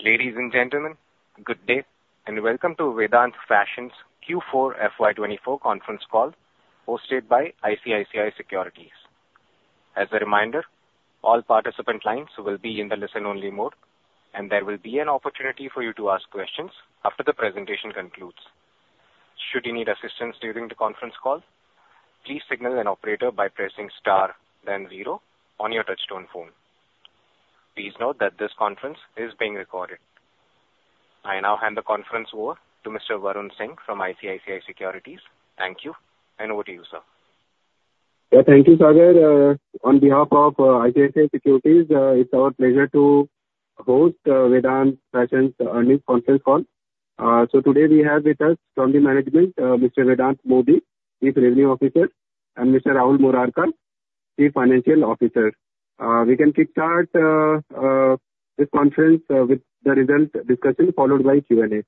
Ladies and gentlemen, good day and welcome to Vedant Fashions Q4 FY 2024 Conference Call hosted by ICICI Securities. As a reminder, all participant lines will be in the listen-only mode, and there will be an opportunity for you to ask questions after the presentation concludes. Should you need assistance during the conference call, please signal an operator by pressing star, then zero, on your touch-tone phone. Please note that this conference is being recorded. I now hand the conference over to Mr. Varun Singh from ICICI Securities. Thank you, and over to you, sir. Yeah, thank you, Sagar. On behalf of ICICI Securities, it's our pleasure to host Vedant Fashions' earnings conference call. Today we have with us from the management, Mr. Vedant Modi, Chief Revenue Officer, and Mr. Rahul Murarka, Chief Financial Officer. We can kick start this conference with the result discussion followed by Q&A.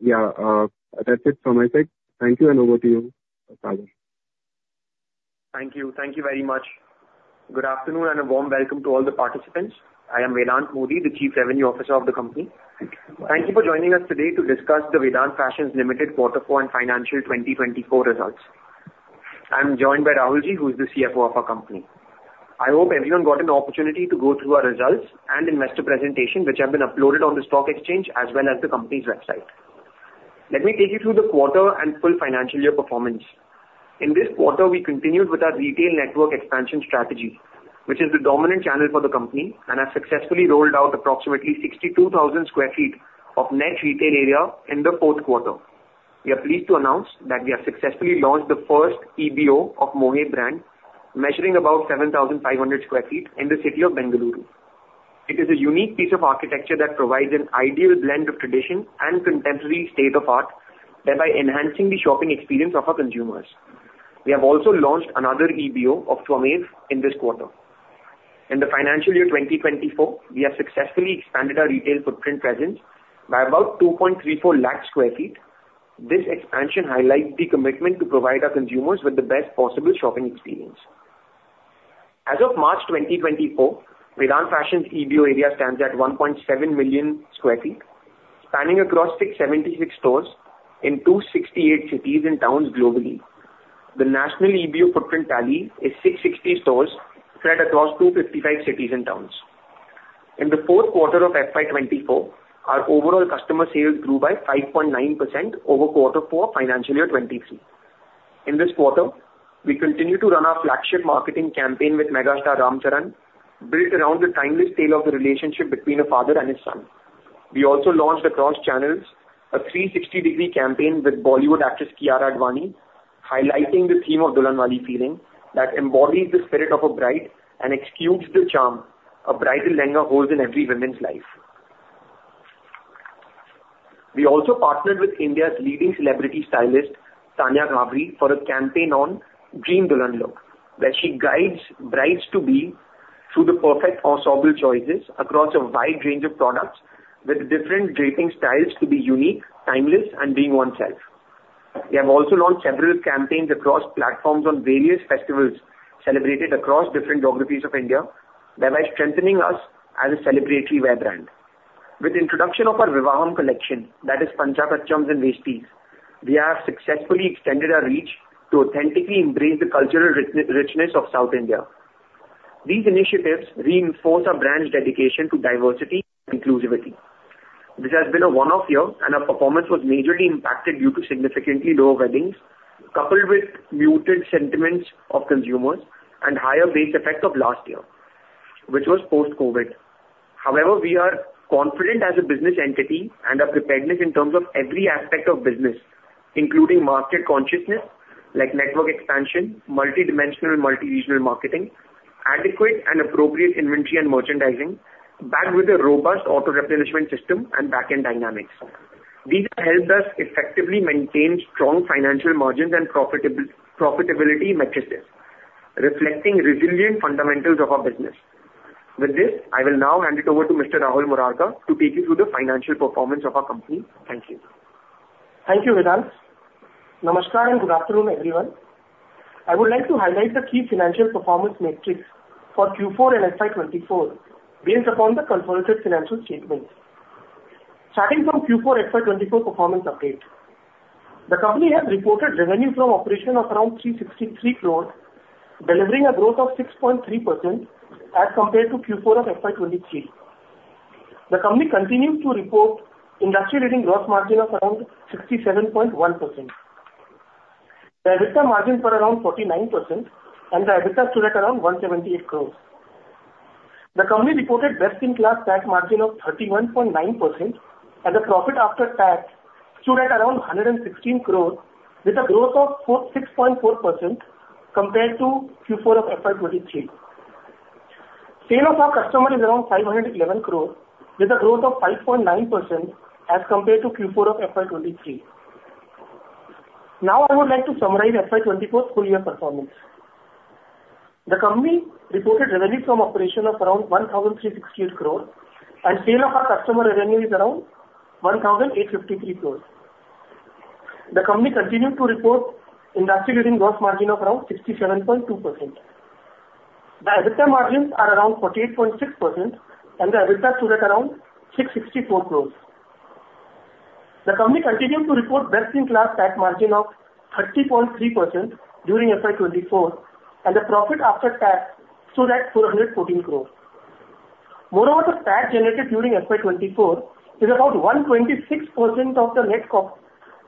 Yeah, that's it from my side. Thank you, and over to you, Sagar. Thank you. Thank you very much. Good afternoon and a warm welcome to all the participants. I am Vedant Modi, the Chief Revenue Officer of the company. Thank you for joining us today to discuss the Vedant Fashions Limited quarter four and financial 2024 results. I'm joined by Rahulji, who's the CFO of our company. I hope everyone got an opportunity to go through our results and investor presentation, which have been uploaded on the stock exchange as well as the company's website. Let me take you through the quarter and full financial year performance. In this quarter, we continued with our retail network expansion strategy, which is the dominant channel for the company, and have successfully rolled out approximately 62,000 sq ft of net retail area in the fourth quarter. We are pleased to announce that we have successfully launched the first EBO of Mohey brand, measuring about 7,500 sq ft in the city of Bengaluru. It is a unique piece of architecture that provides an ideal blend of tradition and contemporary state-of-the-art thereby enhancing the shopping experience of our consumers. We have also launched another EBO of Twamev in this quarter. In the financial year 2024, we have successfully expanded our retail footprint presence by about 234,000 sq ft. This expansion highlights the commitment to provide our consumers with the best possible shopping experience. As of March 2024, Vedant Fashions' EBO area stands at 1.7 million sq ft, spanning across 676 stores in 268 cities and towns globally. The national EBO footprint tally is 660 stores spread across 255 cities and towns. In the fourth quarter of FY24, our overall customer sales grew by 5.9% over quarter four of financial year 2023. In this quarter, we continue to run our flagship marketing campaign with megastar Ram Charan, built around the timeless tale of the relationship between a father and his son. We also launched across channels a 360-degree campaign with Bollywood actress Kiara Advani, highlighting the theme of Dulhanwali feeling that embodies the spirit of a bride and exudes the charm a bridal lehenga holds in every woman's life. We also partnered with India's leading celebrity stylist, Tanya Ghavri, for a campaign on Dream Dulhan Look, where she guides brides-to-be through the perfect ensemble choices across a wide range of products with different draping styles to be unique, timeless, and being oneself. We have also launched several campaigns across platforms on various festivals celebrated across different geographies of India, thereby strengthening us as a celebratory wear brand. With the introduction of our Vivaham collection, that is Panchakachams and Veshtis, we have successfully extended our reach to authentically embrace the cultural richness of South India. These initiatives reinforce our brand's dedication to diversity and inclusivity. This has been a one-off year, and our performance was majorly impacted due to significantly lower weddings, coupled with muted sentiments of consumers and higher base effect of last year, which was post-COVID. However, we are confident as a business entity and our preparedness in terms of every aspect of business, including market consciousness like network expansion, multidimensional and multi-regional marketing, adequate and appropriate inventory and merchandising, backed with a robust auto-replenishment system and backend dynamics. These have helped us effectively maintain strong financial margins and profitability matrices, reflecting resilient fundamentals of our business. With this, I will now hand it over to Mr. Rahul Murarka to take you through the financial performance of our company. Thank you. Thank you, Vedant. Namaskar and good afternoon, everyone. I would like to highlight the key financial performance metrics for Q4 and FY24 based upon the consolidated financial statements. Starting from Q4 FY 2024 performance update, the company has reported revenue from operations of around 363 crore, delivering a growth of 6.3% as compared to Q4 of FY23. The company continues to report industry-leading gross margin of around 67.1%, their EBITDA margin of around 49%, and their EBITDA at around 178 crore. The company reported best-in-class tax margin of 31.9%, and the profit after tax stood at around 116 crore, with a growth of 6.4% compared to Q4 of FY23. Sales to our customer stood at around 511 crore, with a growth of 5.9% as compared to Q4 of FY23. Now, I would like to summarize FY24's full year performance. The company reported revenue from operations of around 1,368 crore, and sales to our customer revenue stood at around 1,853 crore. The company continued to report industry-leading gross margin of around 67.2%. The EBITDA margins are around 48.6%, and the EBITDA stood at around 664 crore. The company continued to report best-in-class tax margin of 30.3% during FY24, and the profit after tax stood at 414 crore. Moreover, the tax generated during FY24 is about 126% of the net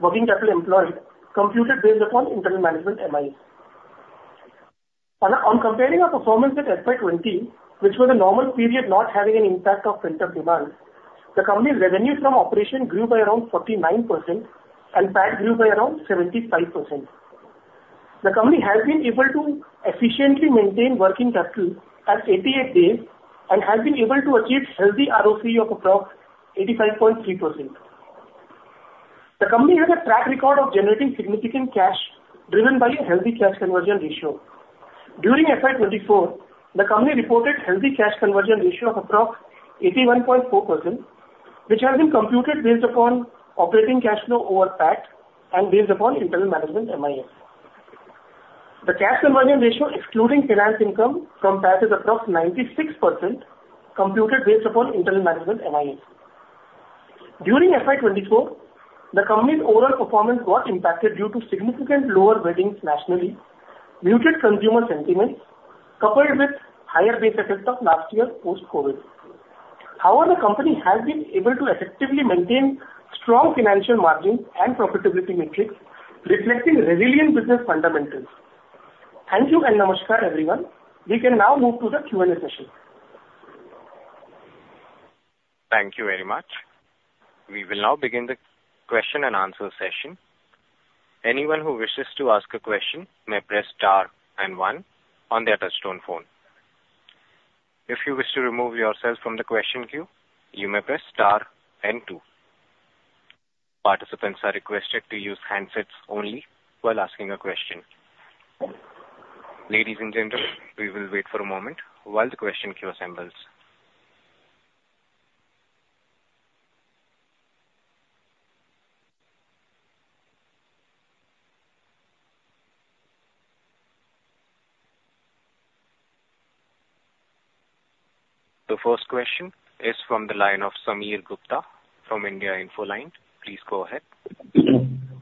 working capital employed, computed based upon internal management MIS. On comparing our performance at FY2020, which was a normal period not having an impact of rental demand, the company's revenue from operation grew by around 49%, and tax grew by around 75%. The company has been able to efficiently maintain working capital at 88 days and has been able to achieve healthy ROC of approximately 85.3%. The company has a track record of generating significant cash driven by a healthy cash conversion ratio. During FY24, the company reported healthy cash conversion ratio of approximately 81.4%, which has been computed based upon operating cash flow over tax and based upon internal management MIS. The cash conversion ratio excluding finance income from tax is approximately 96%, computed based upon internal management MIs. During FY24, the company's overall performance got impacted due to significant lower weddings nationally, muted consumer sentiments, coupled with higher base effect of last year post-COVID. However, the company has been able to effectively maintain strong financial margins and profitability metrics, reflecting resilient business fundamentals. Thank you and namaskar, everyone. We can now move to the Q&A session. Thank you very much. We will now begin the question-and-answer session. Anyone who wishes to ask a question may press star and one on their touch-tone phone. If you wish to remove yourself from the question queue, you may press star and two. Participants are requested to use handsets only while asking a question. Ladies and gentlemen, we will wait for a moment while the question queue assembles. The first question is from the line of Sameer Gupta from India Infoline. Please go ahead.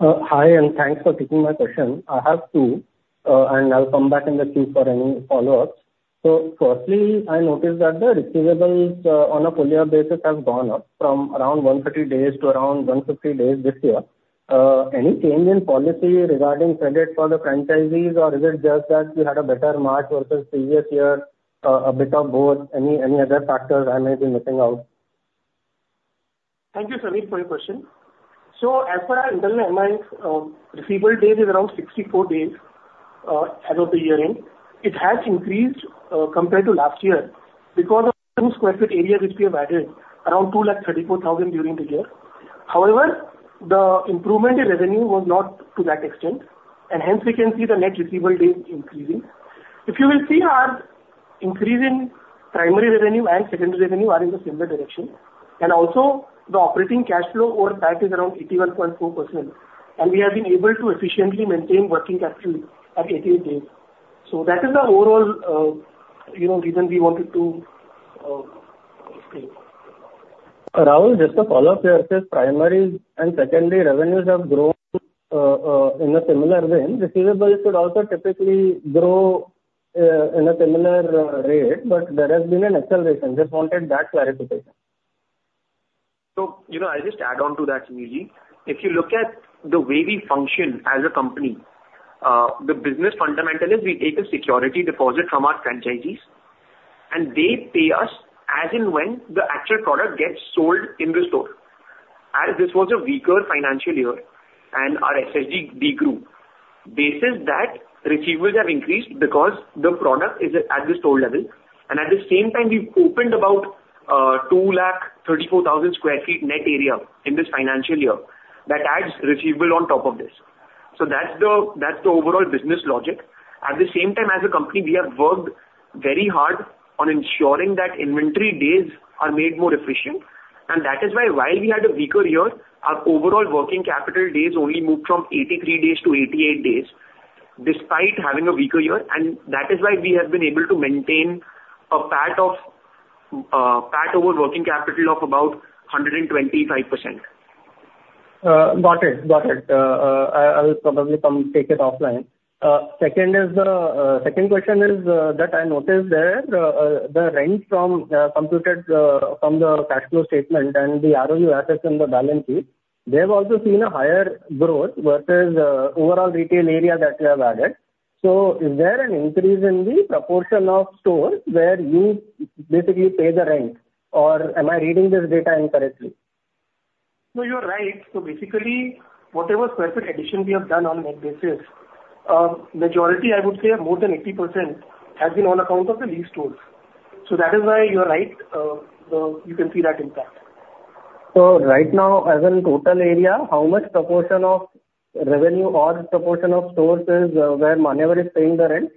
Hi, and thanks for taking my question. I have two, and I'll come back in the queue for any follow-ups. So firstly, I noticed that the receivables on a pro forma basis have gone up from around 130 days to around 150 days this year. Any change in policy regarding credit for the franchisees, or is it just that we had a better March versus previous year, a bit of both, any other factors I may be missing out? Thank you, Sameer, for your question. So as per our internal MIs, receivable days is around 64 days as of the year-end. It has increased compared to last year because of the new square foot area which we have added, around 234,000 sq ft during the year. However, the improvement in revenue was not to that extent, and hence we can see the net receivable days increasing. If you will see, our increase in primary revenue and secondary revenue are in the similar direction. And also, the operating cash flow over tax is around 81.4%, and we have been able to efficiently maintain working capital at 88 days. So that is the overall reason we wanted to explain. Rahul, just to follow up here, says primary and secondary revenues have grown in a similar vein. Receivables should also typically grow in a similar rate, but there has been an acceleration. Just wanted that clarification. So I just add on to that, Sameer. If you look at the way we function as a company, the business fundamental is we take a security deposit from our franchisees, and they pay us as in when the actual product gets sold in the store. As this was a weaker financial year and our SSD degrew, basis that receivables have increased because the product is at the store level. And at the same time, we've opened about 234,000 sq ft net area in this financial year that adds receivable on top of this. So that's the overall business logic. At the same time, as a company, we have worked very hard on ensuring that inventory days are made more efficient. And that is why, while we had a weaker year, our overall working capital days only moved from 83 days to 88 days despite having a weaker year. That is why we have been able to maintain a PAT over working capital of about 125%. Got it. Got it. I will probably come take it offline. Second question is that I noticed there the rent from the cash flow statement and the ROU assets in the balance sheet, they have also seen a higher growth versus overall retail area that we have added. So is there an increase in the proportion of stores where you basically pay the rent, or am I reading this data incorrectly? No, you are right. So basically, whatever sq ft addition we have done on a net basis, majority, I would say, more than 80% has been on account of the leased stores. So that is why you are right. You can see that impact. Right now, as in total area, how much proportion of revenue or proportion of stores is where Manyavar is paying the rent?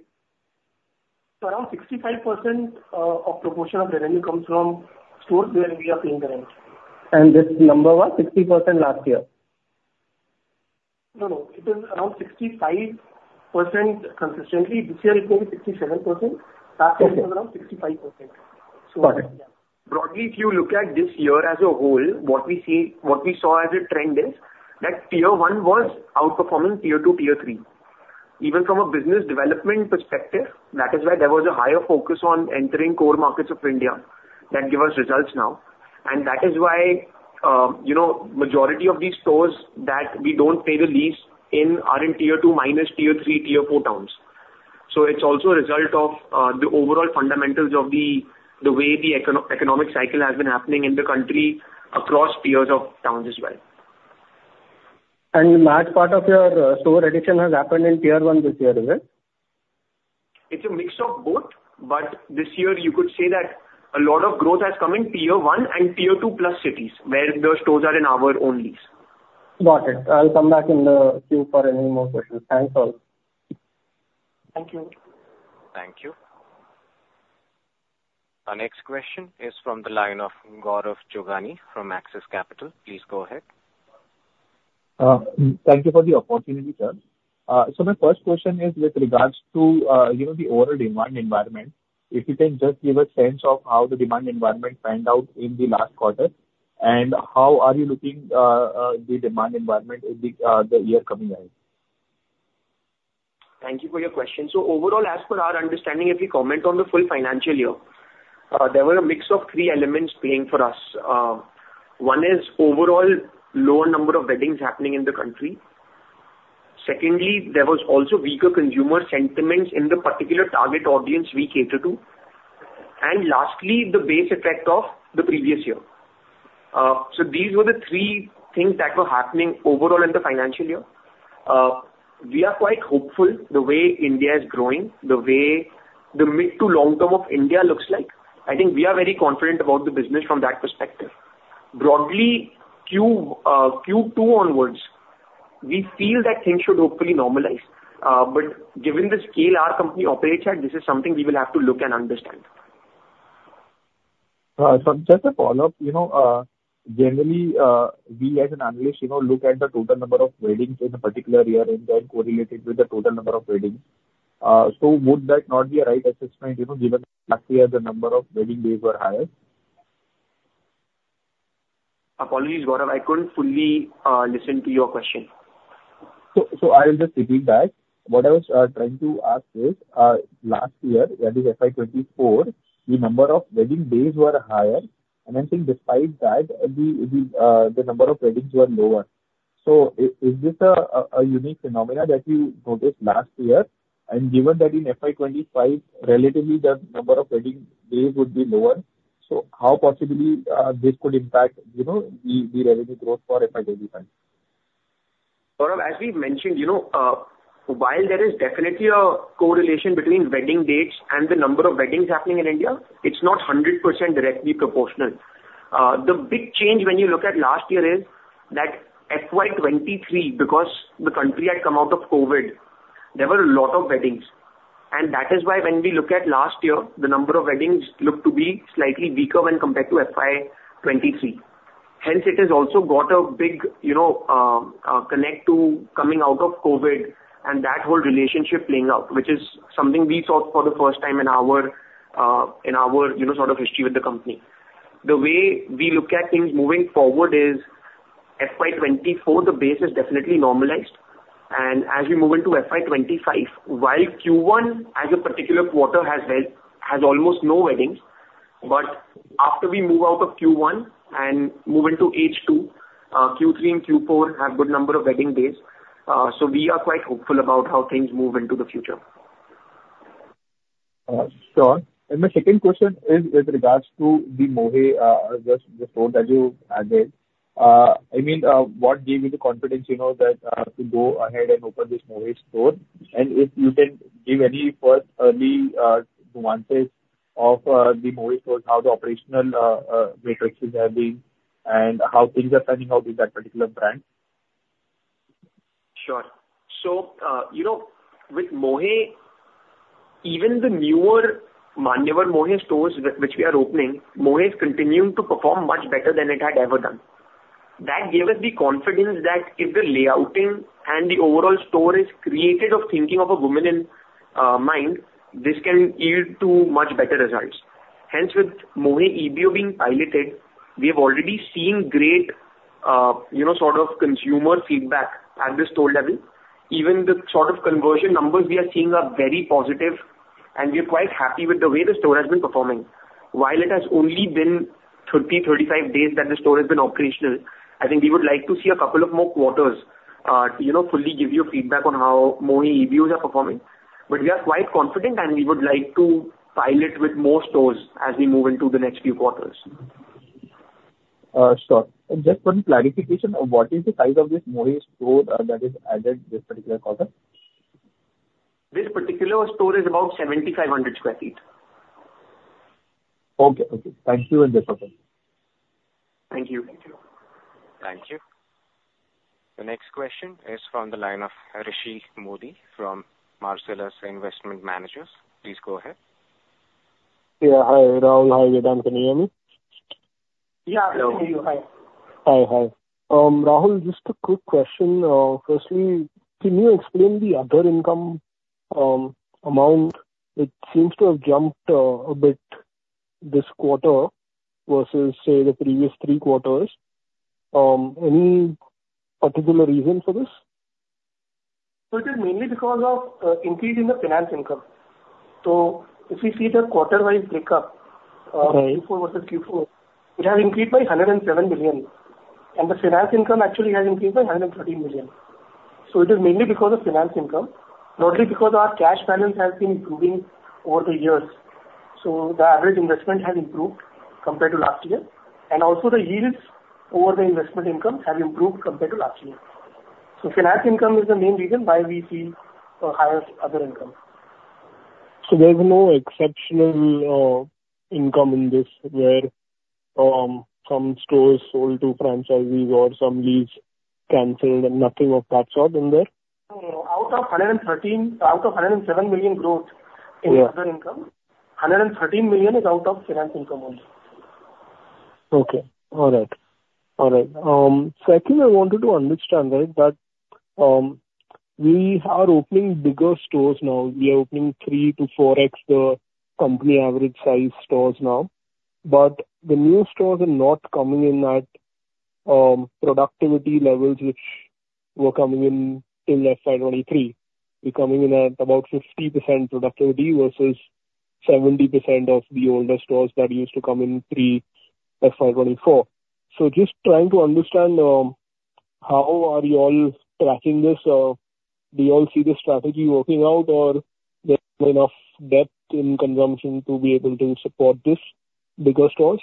Around 65% of proportion of revenue comes from stores where we are paying the rent. This number was 60% last year? No, no. It was around 65% consistently. This year, it may be 67%. Last year, it was around 65%. So yeah. Broadly, if you look at this year as a whole, what we saw as a trend is that tier one was outperforming tier two, tier three. Even from a business development perspective, that is why there was a higher focus on entering core markets of India that give us results now. And that is why majority of these stores that we don't pay the lease are in tier two minus tier three, tier four towns. So it's also a result of the overall fundamentals of the way the economic cycle has been happening in the country across tiers of towns as well. The large part of your store addition has happened in tier one this year, is it? It's a mix of both, but this year, you could say that a lot of growth has come in tier one and tier two plus cities where the stores are in our own lease. Got it. I'll come back in the queue for any more questions. Thanks, all. Thank you. Thank you. Our next question is from the line of Gaurav Jogani from Axis Capital. Please go ahead. Thank you for the opportunity, sir. My first question is with regards to the overall demand environment. If you can just give a sense of how the demand environment panned out in the last quarter and how are you looking at the demand environment in the year coming ahead? Thank you for your question. So overall, as per our understanding, if we comment on the full financial year, there were a mix of three elements playing for us. One is overall lower number of weddings happening in the country. Secondly, there was also weaker consumer sentiments in the particular target audience we cater to. And lastly, the base effect of the previous year. So these were the three things that were happening overall in the financial year. We are quite hopeful the way India is growing, the way the mid to long term of India looks like. I think we are very confident about the business from that perspective. Broadly, Q2 onwards, we feel that things should hopefully normalize. But given the scale our company operates at, this is something we will have to look and understand. Just a follow-up. Generally, we as an analyst look at the total number of weddings in a particular year and then correlate it with the total number of weddings. Would that not be a right assessment given that last year, the number of wedding days were higher? Apologies, Gaurav. I couldn't fully listen to your question. I will just repeat back. What I was trying to ask is last year, that is FY24, the number of wedding days were higher, and I think despite that, the number of weddings were lower. So is this a unique phenomena that you noticed last year? Given that in FY25, relatively, the number of wedding days would be lower, so how possibly this could impact the revenue growth for FY25? Gaurav, as we mentioned, while there is definitely a correlation between wedding dates and the number of weddings happening in India, it's not 100% directly proportional. The big change when you look at last year is that FY23, because the country had come out of COVID, there were a lot of weddings. That is why when we look at last year, the number of weddings looked to be slightly weaker when compared to FY23. Hence, it has also got a big connect to coming out of COVID and that whole relationship playing out, which is something we saw for the first time in our sort of history with the company. The way we look at things moving forward is FY24, the base is definitely normalized. As we move into FY25, while Q1 as a particular quarter has almost no weddings, but after we move out of Q1 and move into H2, Q3 and Q4 have a good number of wedding days. So we are quite hopeful about how things move into the future. Sure. My second question is with regards to the Mohey store that you added. I mean, what gave you the confidence to go ahead and open this Mohey store? And if you can give any first early nuances of the Mohey stores, how the operational matrixes have been, and how things are panning out in that particular brand. Sure. So with Mohey, even the newer Manyavar Mohey stores which we are opening, Mohey is continuing to perform much better than it had ever done. That gave us the confidence that if the layouting and the overall store is created of thinking of a woman in mind, this can lead to much better results. Hence, with Mohey EBO being piloted, we have already seen great sort of consumer feedback at the store level. Even the sort of conversion numbers we are seeing are very positive, and we are quite happy with the way the store has been performing. While it has only been 30-35 days that the store has been operational, I think we would like to see a couple of more quarters fully give you feedback on how Mohey EBOs are performing. We are quite confident, and we would like to pilot with more stores as we move into the next few quarters. Sure. Just one clarification, what is the size of this Mohey store that is added this particular quarter? This particular store is about 7,500 sq ft. Okay. Okay. Thank you, and just a question. Thank you. Thank you. The next question is from the line of Rishi Modi from Marcellus Investment Managers. Please go ahead. Yeah. Hi, Rahul. Hi, Vedant. Can you hear me? Yeah. Hello. Hello. Hello. Hi. Rahul, just a quick question. Firstly, can you explain the other income amount? It seems to have jumped a bit this quarter versus, say, the previous three quarters. Any particular reason for this? It is mainly because of an increase in the finance income. If we see the quarter-wise breakup of Q4 versus Q4, it has increased by 107 million. And the finance income actually has increased by 113 million. It is mainly because of finance income, not only because our cash balance has been improving over the years. The average investment has improved compared to last year. And also, the yields over the investment incomes have improved compared to last year. Finance income is the main reason why we see a higher other income. There's no exceptional income in this where some stores sold to franchisees or some lease canceled and nothing of that sort in there? No, Out of 113 out of 107 million growth in other income, 113 million is out of finance income only. Okay. All right. All right. Second, I wanted to understand, right, that we are opening bigger stores now. We are opening 3-4x the company average size stores now. But the new stores are not coming in at productivity levels which were coming in in FY23. We're coming in at about 50% productivity versus 70% of the older stores that used to come in pre-FY24. So just trying to understand how are you all tracking this? Do you all see the strategy working out, or there's not enough depth in consumption to be able to support these bigger stores?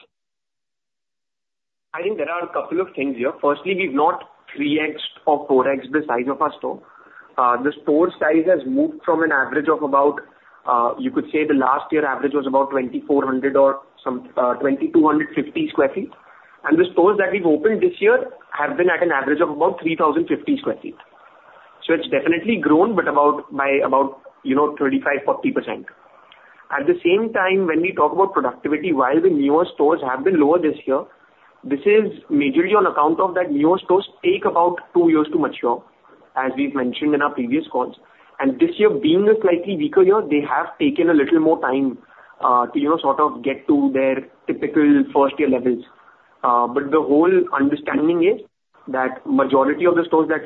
I think there are a couple of things here. Firstly, we've not 3x or 4x the size of our store. The store size has moved from an average of about you could say the last year average was about 2,400 or 2,250 sq ft. And the stores that we've opened this year have been at an average of about 3,050 sq ft. So it's definitely grown but by about 35%-40%. At the same time, when we talk about productivity, while the newer stores have been lower this year, this is majorly on account of that newer stores take about two years to mature, as we've mentioned in our previous calls. And this year, being a slightly weaker year, they have taken a little more time to sort of get to their typical first-year levels. The whole understanding is that the majority of the stores that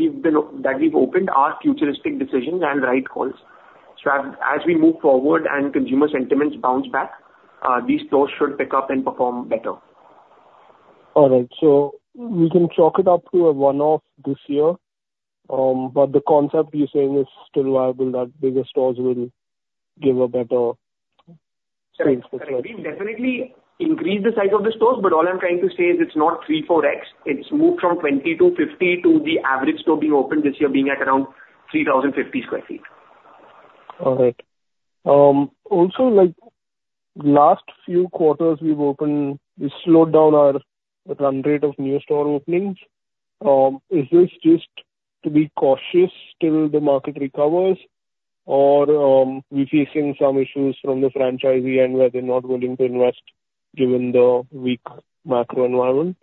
we've opened are futuristic decisions and right calls. As we move forward and consumer sentiments bounce back, these stores should pick up and perform better. All right. We can chalk it up to a one-off this year. But the concept you're saying is still viable that bigger stores will give a better sales perspective? Correct. Correct. We've definitely increased the size of the stores, but all I'm trying to say is it's not 3-4X. It's moved from 20 to 50 to the average store being opened this year being at around 3,050 sq ft. All right. Also, last few quarters, we've slowed down our run rate of new store openings. Is this just to be cautious till the market recovers, or are we facing some issues from the franchisee end where they're not willing to invest given the weak macro environment?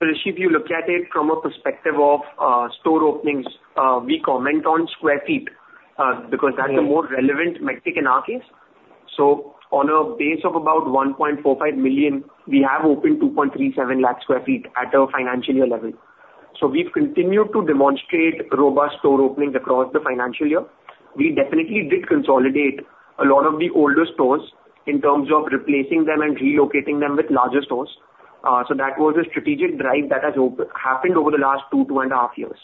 Rishi, if you look at it from a perspective of store openings, we comment on square feet because that's the more relevant metric in our case. So on a base of about 1.45 million, we have opened 237,000 sq ft at a financial year level. So we've continued to demonstrate robust store openings across the financial year. We definitely did consolidate a lot of the older stores in terms of replacing them and relocating them with larger stores. So that was a strategic drive that has happened over the last 2, 2.5 years.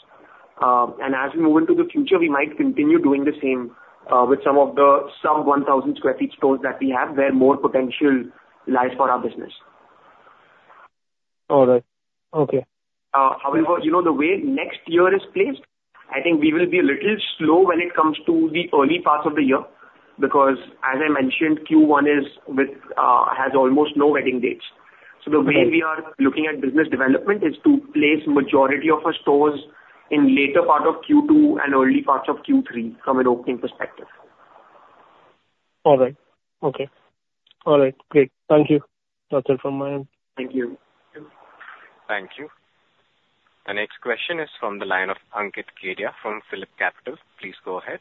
And as we move into the future, we might continue doing the same with some of the sub-1,000 sq ft stores that we have where more potential lies for our business. All right. Okay. However, the way next year is placed, I think we will be a little slow when it comes to the early parts of the year because, as I mentioned, Q1 has almost no wedding dates. So the way we are looking at business development is to place the majority of our stores in the later part of Q2 and early parts of Q3 from an opening perspective. All right. Okay. All right. Great. Thank you. That's it from my end. Thank you. Thank you. The next question is from the line of Ankit Kedia from PhilipCapital. Please go ahead.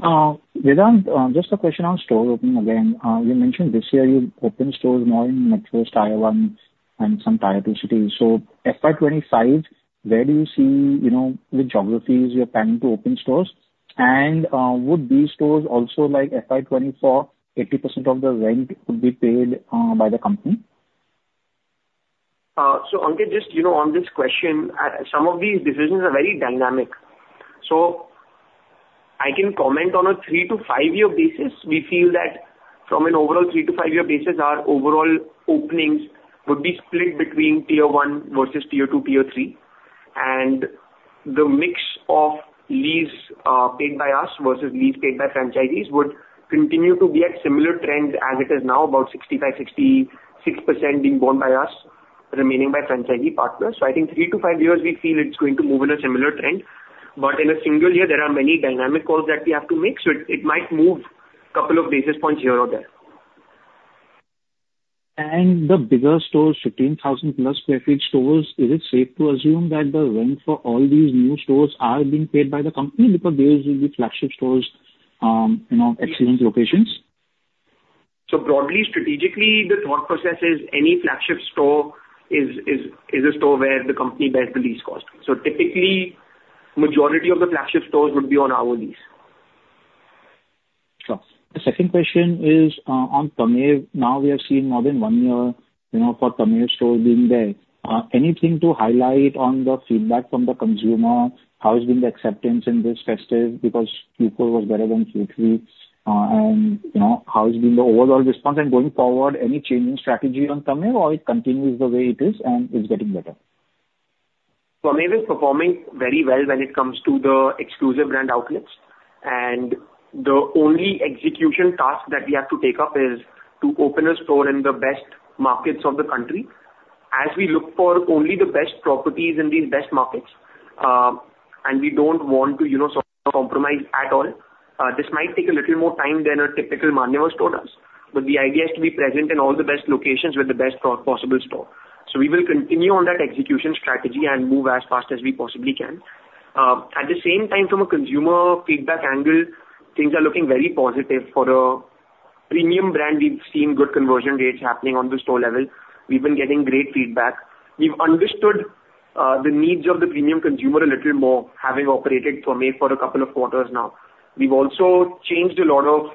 Vedant, just a question on store opening again. You mentioned this year you opened stores more in metros, Tier 1, and some Tier 2 cities. So FY25, where do you see the geographies you're planning to open stores? And would these stores also like FY24, 80% of the rent would be paid by the company? So Ankit, just on this question, some of these decisions are very dynamic. So I can comment on a three-five-year basis. We feel that from an overall three-five-year basis, our overall openings would be split between Tier 1 versus Tier 2, Tier 3. And the mix of lease paid by us versus lease paid by franchisees would continue to be at similar trends as it is now, about 65%-66% being bought by us, remaining by franchisee partners. So I think 3-5 years, we feel it's going to move in a similar trend. But in a single year, there are many dynamic calls that we have to make. So it might move a couple of basis points here or there. The bigger stores, 15,000+ sq ft stores, is it safe to assume that the rent for all these new stores is being paid by the company because these will be flagship stores, excellent locations? Broadly, strategically, the thought process is any flagship store is a store where the company bears the lease cost. Typically, the majority of the flagship stores would be on our lease. Sure. The second question is on Twamev. Now, we have seen more than one year for Twamev stores being there. Anything to highlight on the feedback from the consumer, how has been the acceptance in this festive because Q4 was better than Q3, and how has been the overall response? And going forward, any changing strategy on Twamev, or it continues the way it is and it's getting better? Manyavar is performing very well when it comes to the exclusive brand outlets. The only execution task that we have to take up is to open a store in the best markets of the country as we look for only the best properties in these best markets. We don't want to compromise at all. This might take a little more time than a typical Manyavar store does, but the idea is to be present in all the best locations with the best possible store. We will continue on that execution strategy and move as fast as we possibly can. At the same time, from a consumer feedback angle, things are looking very positive for a premium brand. We've seen good conversion rates happening on the store level. We've been getting great feedback. We've understood the needs of the premium consumer a little more having operated Tameer for a couple of quarters now. We've also changed a lot of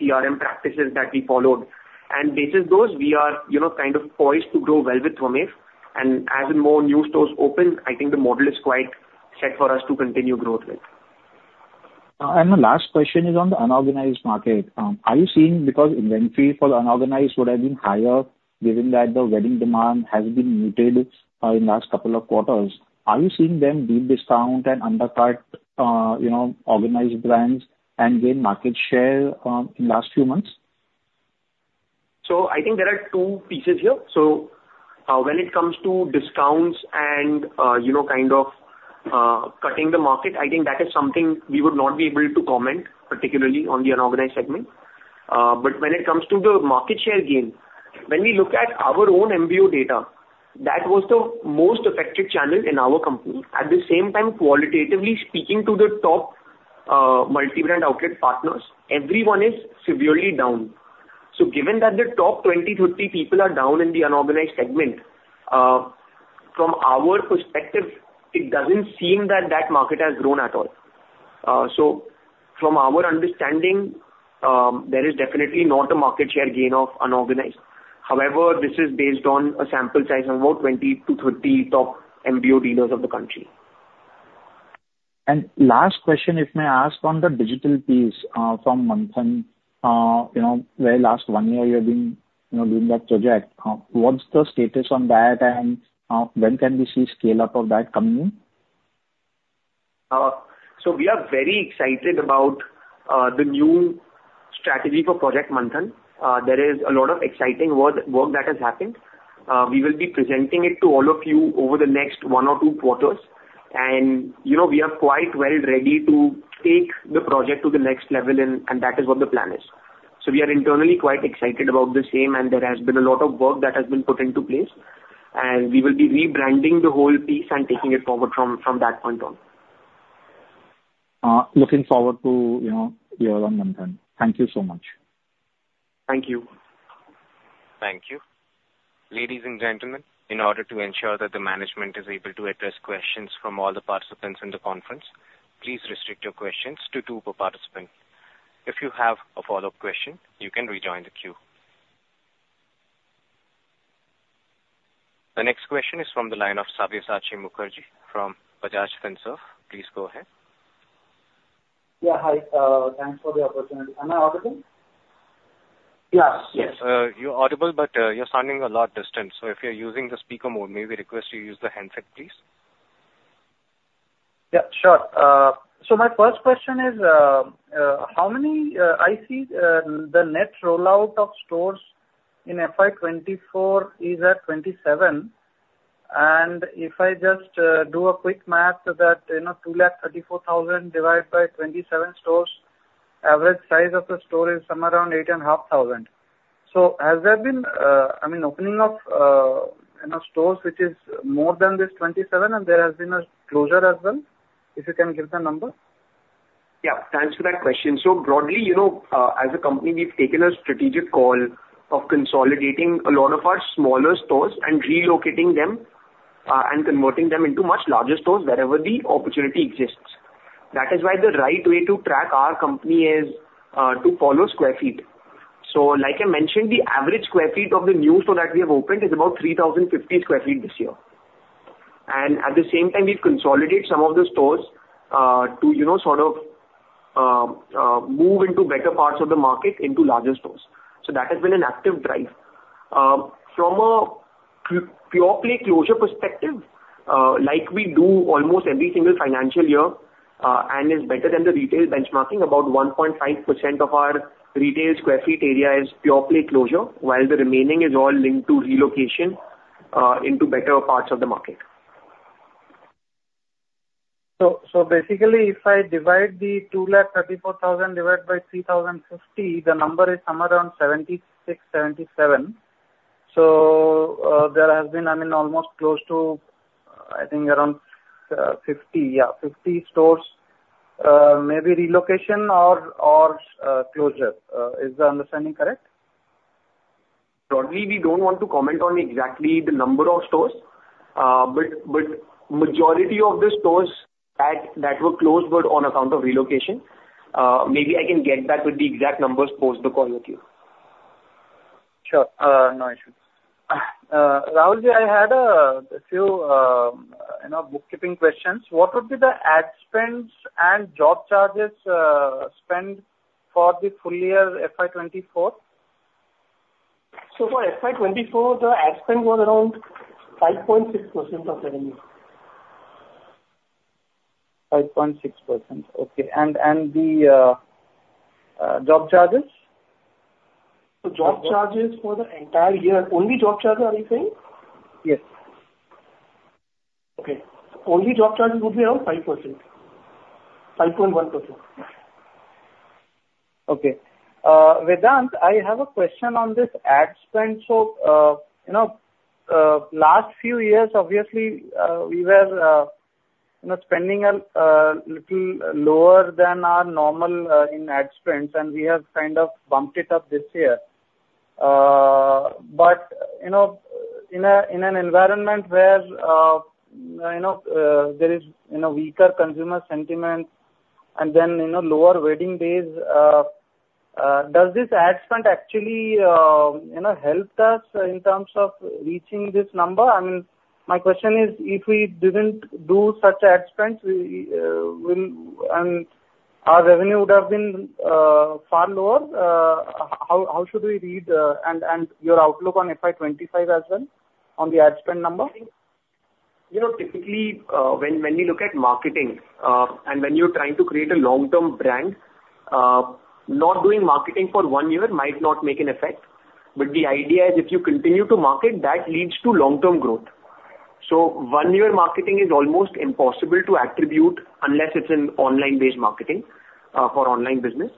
CRM practices that we followed. And based on those, we are kind of poised to grow well with Tameer. And as more new stores open, I think the model is quite set for us to continue growth with. The last question is on the unorganized market. Are you seeing because inventory for the unorganized would have been higher given that the wedding demand has been muted in the last couple of quarters, are you seeing them deal discount and undercut organized brands and gain market share in the last few months? So I think there are two pieces here. So when it comes to discounts and kind of cutting the market, I think that is something we would not be able to comment particularly on the unorganized segment. But when it comes to the market share gain, when we look at our own MBO data, that was the most affected channel in our company. At the same time, qualitatively speaking to the top multi-brand outlet partners, everyone is severely down. So given that the top 20-30 people are down in the unorganized segment, from our perspective, it doesn't seem that that market has grown at all. So from our understanding, there is definitely not a market share gain of unorganized. However, this is based on a sample size of about 20-30 top MBO dealers of the country. Last question, if may I ask on the digital piece from Manthan where last one year you have been doing that project, what's the status on that, and when can we see scale-up of that coming in? So we are very excited about the new strategy for Project Manthan. There is a lot of exciting work that has happened. We will be presenting it to all of you over the next 1 or 2 quarters. We are quite well ready to take the project to the next level, and that is what the plan is. So we are internally quite excited about the same, and there has been a lot of work that has been put into place. We will be rebranding the whole piece and taking it forward from that point on. Looking forward to your role on Manthan. Thank you so much. Thank you. Thank you. Ladies and gentlemen, in order to ensure that the management is able to address questions from all the participants in the conference, please restrict your questions to two per participant. If you have a follow-up question, you can rejoin the queue. The next question is from the line of Sabyasachi Mukerji from Bajaj Finserv. Please go ahead. Yeah. Hi. Thanks for the opportunity. Am I audible? Yes. Yes. You're audible, but you're sounding a lot distant. So if you're using the speaker mode, may we request you use the headset, please? Yeah. Sure. So my first question is, how many? I see the net rollout of stores in FY2024 is at 27. And if I just do a quick math, that 2,034,000 divided by 27 stores, the average size of the store is somewhere around 8,500. So has there been, I mean, opening of stores which is more than this 27, and there has been a closure as well? If you can give the number. Yeah. Thanks for that question. So broadly, as a company, we've taken a strategic call of consolidating a lot of our smaller stores and relocating them and converting them into much larger stores wherever the opportunity exists. That is why the right way to track our company is to follow square feet. So like I mentioned, the average sq ft of the new store that we have opened is about 3,050 sq ft this year. And at the same time, we've consolidated some of the stores to sort of move into better parts of the market into larger stores. So that has been an active drive. From a purely closure perspective, like we do almost every single financial year and is better than the retail benchmarking, about 1.5% of our retail sq ft area is purely closure, while the remaining is all linked to relocation into better parts of the market. So basically, if I divide the 2,034,000 divided by 3,050, the number is somewhere around 76-77. So there has been, I mean, almost close to, I think, around 50. Yeah. 50 stores. Maybe relocation or closure. Is the understanding correct? Broadly, we don't want to comment on exactly the number of stores, but the majority of the stores that were closed were on account of relocation. Maybe I can get back with the exact numbers post the call with you. Sure. No issue. Rahul Ji, I had a few bookkeeping questions. What would be the ad spend and job charges spent for the full year FY2024? For FY2024, the ad spend was around 5.6% of revenue. 5.6%. Okay. And the job charges? Job charges for the entire year, only job charges, are you saying? Yes. Okay. Only job charges would be around 5.1%. Okay. Vedant, I have a question on this ad spend. So last few years, obviously, we were spending a little lower than our normal in ad spends, and we have kind of bumped it up this year. But in an environment where there is weaker consumer sentiment and then lower wedding days, does this ad spend actually help us in terms of reaching this number? I mean, my question is, if we didn't do such ad spends, our revenue would have been far lower. How should we read and your outlook on FY25 as well on the ad spend number? Typically, when we look at marketing and when you're trying to create a long-term brand, not doing marketing for one year might not make an effect. The idea is, if you continue to market, that leads to long-term growth. One-year marketing is almost impossible to attribute unless it's an online-based marketing for online business.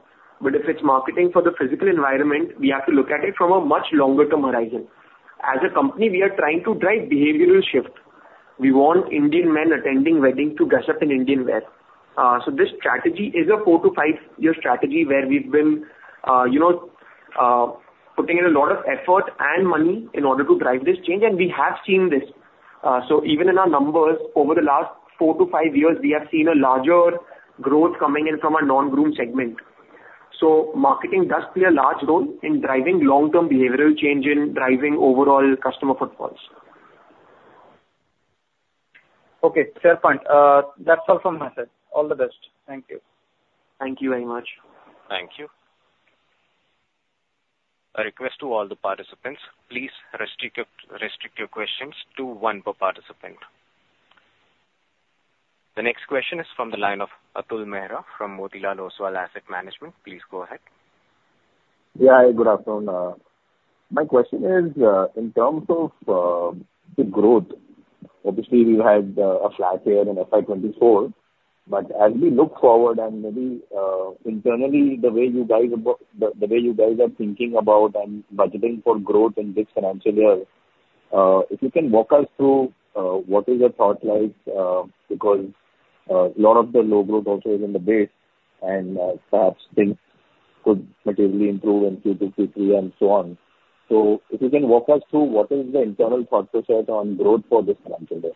If it's marketing for the physical environment, we have to look at it from a much longer-term horizon. As a company, we are trying to drive behavioral shift. We want Indian men attending weddings to dress up in Indian wear. This strategy is a 4-5-year strategy where we've been putting in a lot of effort and money in order to drive this change. We have seen this. Even in our numbers, over the last 4-5 years, we have seen a larger growth coming in from our non-groom segment. Marketing does play a large role in driving long-term behavioral change and driving overall customer footfalls. Okay. Fair point. That's all from my side. All the best. Thank you. Thank you very much. Thank you. A request to all the participants, please restrict your questions to one per participant. The next question is from the line of Atul Mehra from Motilal Oswal Asset Management. Please go ahead. Yeah. Hi. Good afternoon. My question is, in terms of the growth, obviously, we've had a flat year in FY24. But as we look forward and maybe internally, the way you guys are thinking about and budgeting for growth in this financial year, if you can walk us through what is your thought like because a lot of the low growth also is in the base, and perhaps things could materially improve in Q2, Q3, and so on. So if you can walk us through what is the internal thought process on growth for this financial year.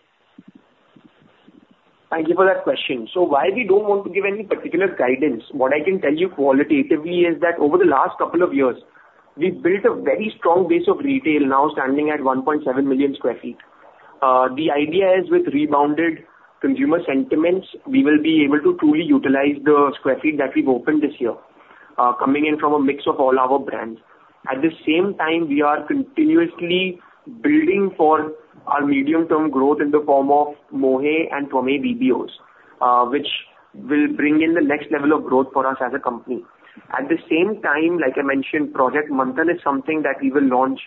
Thank you for that question. While we don't want to give any particular guidance, what I can tell you qualitatively is that over the last couple of years, we've built a very strong base of retail now standing at 1.7 million sq ft. The idea is, with rebounded consumer sentiments, we will be able to truly utilize the sq ft that we've opened this year coming in from a mix of all our brands. At the same time, we are continuously building for our medium-term growth in the form of Mohey and Manyavar EBOs, which will bring in the next level of growth for us as a company. At the same time, like I mentioned, Project Manthan is something that we will launch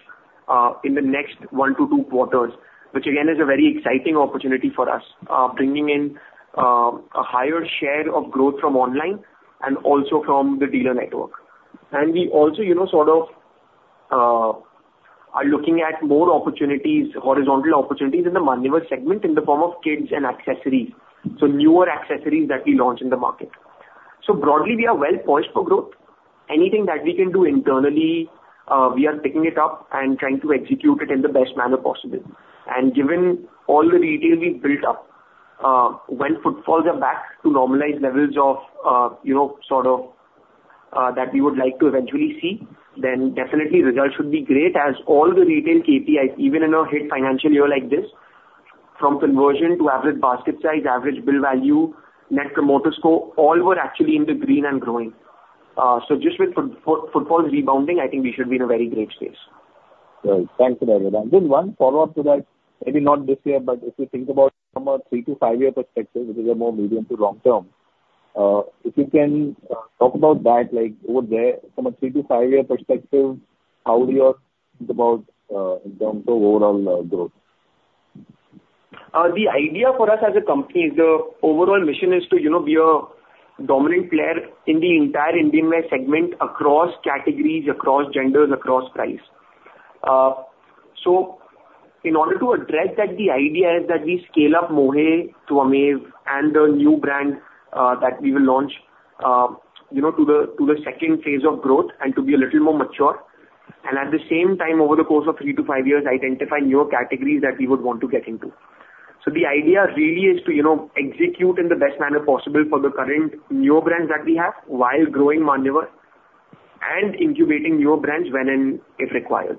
in the next 1-2 quarters, which again is a very exciting opportunity for us, bringing in a higher share of growth from online and also from the dealer network. We also sort of are looking at more horizontal opportunities in the Manyavar segment in the form of kids and accessories, so newer accessories that we launch in the market. Broadly, we are well poised for growth. Anything that we can do internally, we are picking it up and trying to execute it in the best manner possible. Given all the retail we've built up, when footfalls are back to normalized levels of sort of that we would like to eventually see, then definitely, results should be great as all the retail KPIs, even in a hit financial year like this, from conversion to average basket size, average bill value, net promoter score, all were actually in the green and growing. So just with footfalls rebounding, I think we should be in a very great space. Great. Thank you very much. And then one follow-up to that, maybe not this year, but if you think about from a 3-5-year perspective, which is a more medium- to long-term, if you can talk about that, over there, from a 3-5-year perspective, how do you think about in terms of overall growth? The idea for us as a company, the overall mission is to be a dominant player in the entire Indian wear segment across categories, across genders, across price. So in order to address that, the idea is that we scale up Mohey to Amave and the new brand that we will launch to the second phase of growth and to be a little more mature. And at the same time, over the course of 3-5 years, identify newer categories that we would want to get into. So the idea really is to execute in the best manner possible for the current newer brands that we have while growing Manyavar and incubating newer brands when and if required.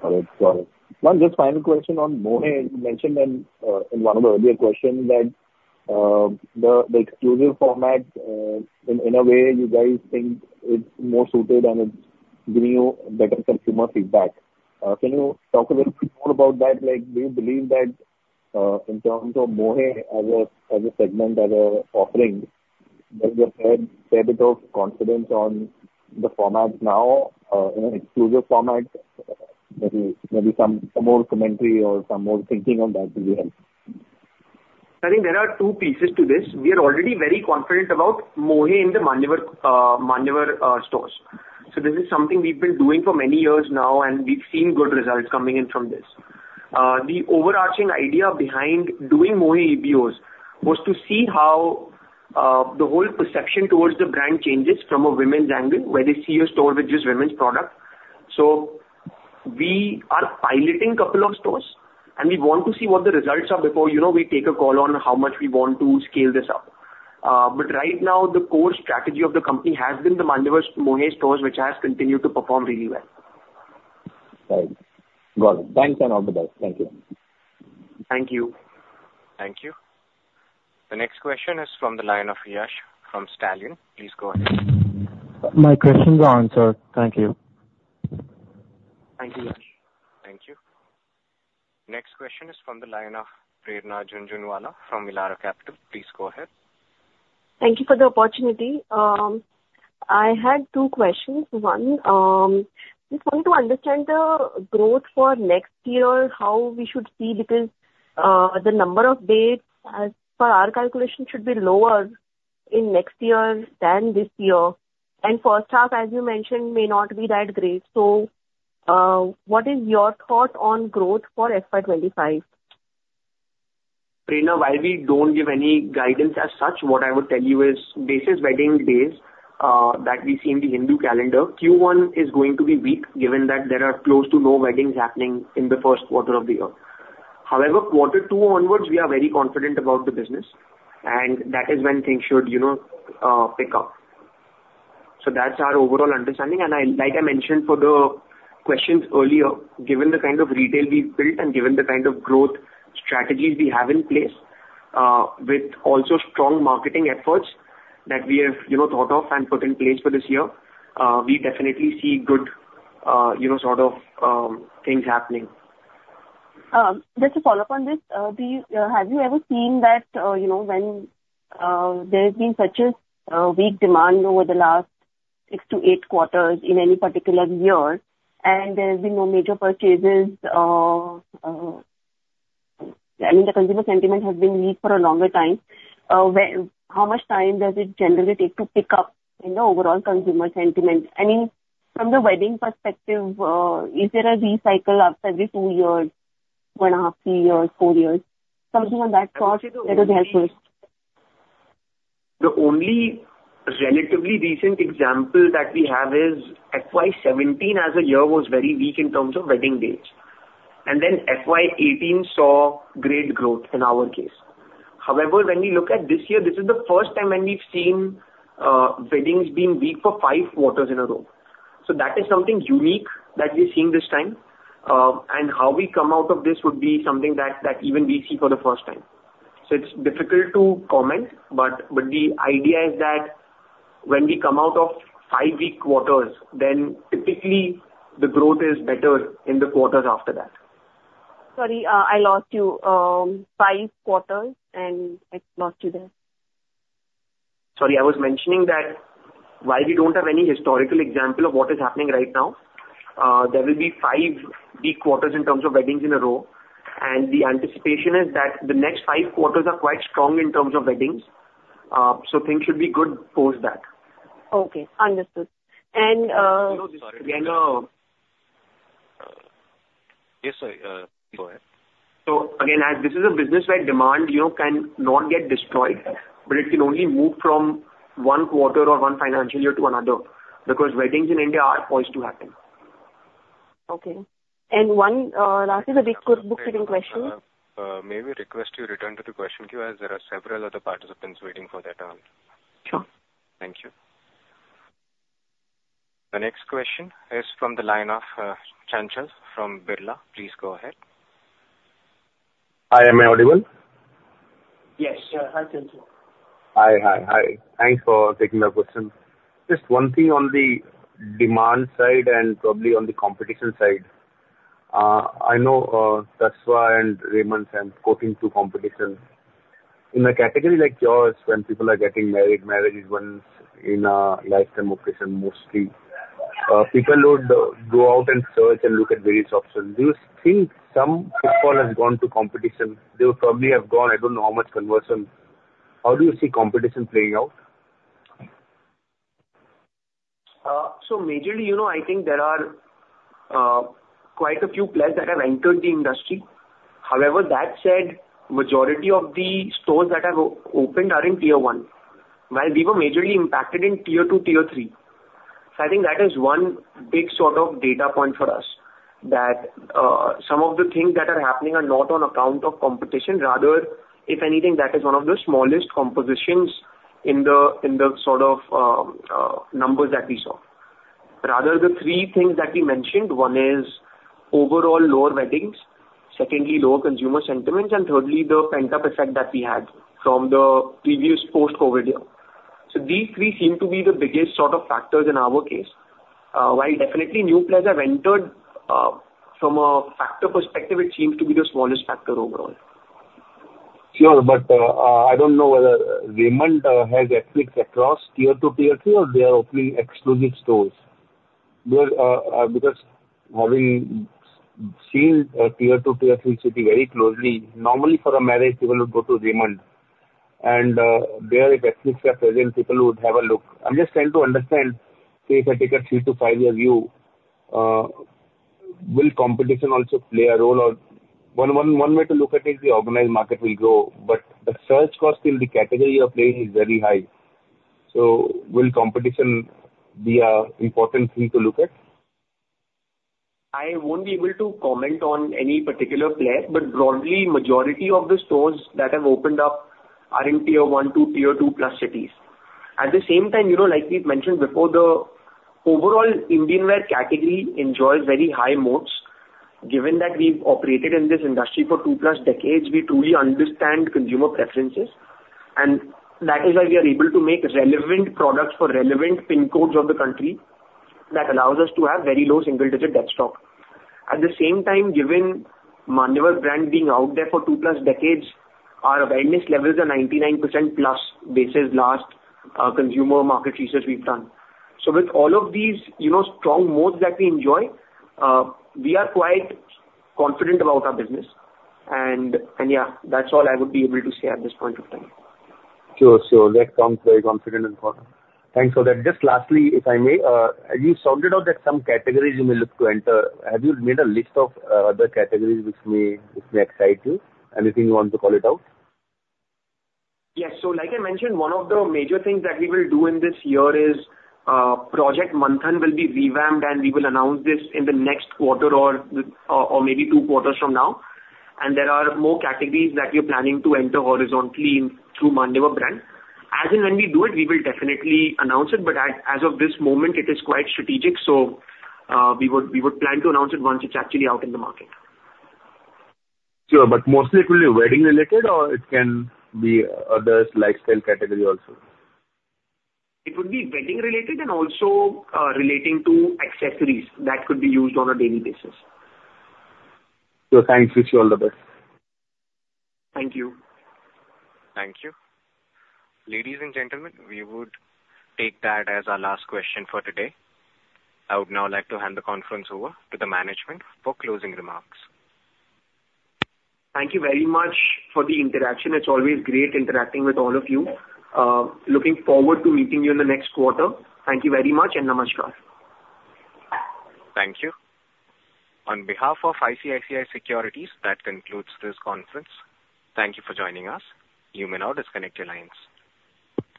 Got it. Got it. One, just final question on Mohey. You mentioned in one of the earlier questions that the exclusive format, in a way, you guys think it's more suited and it's giving you better consumer feedback. Can you talk a little bit more about that? Do you believe that in terms of Mohey as a segment, as an offering, there's a fair bit of confidence on the format now, an exclusive format? Maybe some more commentary or some more thinking on that will be helpful. I think there are two pieces to this. We are already very confident about Mohey in the Manyavar stores. So this is something we've been doing for many years now, and we've seen good results coming in from this. The overarching idea behind doing Mohey EBOs was to see how the whole perception toward the brand changes from a women's angle where they see a store with just women's product. So we are piloting a couple of stores, and we want to see what the results are before we take a call on how much we want to scale this up. But right now, the core strategy of the company has been the Mohey stores, which has continued to perform really well. Right. Got it. Thanks and all the best. Thank you. Thank you. Thank you. The next question is from the line of Yash from Stallion. Please go ahead. My question's answered. Thank you. Thank you, Yash. Thank you. Next question is from the line of Prerna Jhunjhunwala from Elara Capital. Please go ahead. Thank you for the opportunity. I had two questions. One, just wanted to understand the growth for next year, how we should see because the number of dates, as per our calculation, should be lower in next year than this year. First half, as you mentioned, may not be that great. What is your thought on growth for FY25? Prerna, while we don't give any guidance as such, what I would tell you is, based on wedding days that we see in the Hindu calendar, Q1 is going to be weak given that there are close to no weddings happening in the first quarter of the year. However, quarter two onwards, we are very confident about the business, and that is when things should pick up. So that's our overall understanding. Like I mentioned for the questions earlier, given the kind of retail we've built and given the kind of growth strategies we have in place with also strong marketing efforts that we have thought of and put in place for this year, we definitely see good sort of things happening. Just to follow up on this, have you ever seen that when there has been such a weak demand over the last 6-8 quarters in any particular year and there have been no major purchases? I mean, the consumer sentiment has been weak for a longer time. How much time does it generally take to pick up in the overall consumer sentiment? I mean, from the wedding perspective, is there a cycle after every two years, 1.5, three years, four years? Something on that thought that would help us. The only relatively recent example that we have is FY17, as a year, was very weak in terms of wedding dates. Then FY18 saw great growth in our case. However, when we look at this year, this is the first time when we've seen weddings being weak for 5 quarters in a row. That is something unique that we're seeing this time. How we come out of this would be something that even we see for the first time. It's difficult to comment, but the idea is that when we come out of 5 weak quarters, then typically, the growth is better in the quarters after that. Sorry. I lost you. 5 quarters, and I lost you there. Sorry. I was mentioning that while we don't have any historical example of what is happening right now, there will be five weak quarters in terms of weddings in a row. The anticipation is that the next five quarters are quite strong in terms of weddings. Things should be good post that. Okay. Understood. And. Sorry. Yes, sir. Please go ahead. Again, as this is a business where demand cannot get destroyed, but it can only move from one quarter or one financial year to another because weddings in India are poised to happen. Okay. And one last is a big bookkeeping question. May we request you return to the question queue as there are several other participants waiting for their turn? Sure. Thank you. The next question is from the line of Chanchal from Birla. Please go ahead. Hi. Am I audible? Yes. Hi, Chanchal. Hi. Hi. Hi. Thanks for taking my question. Just one thing on the demand side and probably on the competition side. I know Tasva and Raymond are pointing to competition. In a category like yours, when people are getting married, marriage is once in a lifetime occasion mostly. People would go out and search and look at various options. Do you think some footfall has gone to competition? They would probably have gone. I don't know how much conversion. How do you see competition playing out? So majorly, I think there are quite a few players that have entered the industry. However, that said, the majority of the stores that have opened are in tier one, while we were majorly impacted in tier two, tier three. So I think that is one big sort of data point for us, that some of the things that are happening are not on account of competition. Rather, if anything, that is one of the smallest compositions in the sort of numbers that we saw. Rather, the three things that we mentioned, one is overall lower weddings, secondly, lower consumer sentiments, and thirdly, the pent-up effect that we had from the previous post-COVID year. So these three seem to be the biggest sort of factors in our case. While definitely, new players have entered, from a factor perspective, it seems to be the smallest factor overall. Sure. But I don't know whether Raymond has ethnics across tier two, tier three, or they are opening exclusive stores because having seen tier two, tier three city very closely, normally, for a marriage, people would go to Raymond. And there, if ethnics are present, people would have a look. I'm just trying to understand, say, if I take a 3-5-year view, will competition also play a role? One way to look at it is the organized market will grow. But the search cost in the category you are playing is very high. So will competition be an important thing to look at? I won't be able to comment on any particular player, but broadly, the majority of the stores that have opened up are in tier one, two, tier two-plus cities. At the same time, like we've mentioned before, the overall Indian wear category enjoys very high moats. Given that we've operated in this industry for 2+ decades, we truly understand consumer preferences. And that is why we are able to make relevant products for relevant PIN codes of the country that allows us to have very low single-digit debt stock. At the same time, given Manyavar brand being out there for 2+ decades, our awareness levels are 99%+ based on the last consumer market research we've done. So with all of these strong moats that we enjoy, we are quite confident about our business. Yeah, that's all I would be able to say at this point of time. Sure. Sure. That sounds very confident and confident. Thanks for that. Just lastly, if I may, you sounded out that some categories you may look to enter. Have you made a list of other categories which may excite you? Anything you want to call it out? Yes. So like I mentioned, one of the major things that we will do in this year is Project Manthan will be revamped, and we will announce this in the next quarter or maybe two quarters from now. And there are more categories that we are planning to enter horizontally through Manyavar brand. As in when we do it, we will definitely announce it. But as of this moment, it is quite strategic. So we would plan to announce it once it's actually out in the market. Sure. But mostly, it will be wedding-related, or it can be other lifestyle categories also? It would be wedding-related and also relating to accessories that could be used on a daily basis. Sure. Thanks. Wish you all the best. Thank you. Thank you. Ladies and gentlemen, we would take that as our last question for today. I would now like to hand the conference over to the management for closing remarks. Thank you very much for the interaction. It's always great interacting with all of you. Looking forward to meeting you in the next quarter. Thank you very much, and namaskar. Thank you. On behalf of ICICI Securities, that concludes this conference. Thank you for joining us. You may now disconnect your lines.